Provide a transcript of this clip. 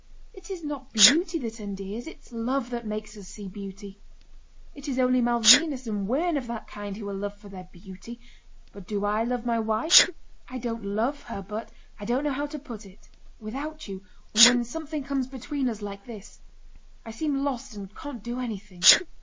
It is not beauty that endears, it's love that makes us see beauty. It is only Malvínas and women of that kind who are loved for their beauty. But do I love my wife? I don't love her, but... I don't know how to put it. Without you, or when something comes between us like this, I seem lost and can't do anything.